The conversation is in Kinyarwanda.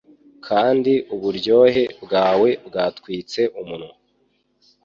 kandi uburyohe bwawe bwatwitse umunwa